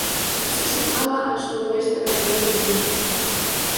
Se situaba al suroeste de la provincia.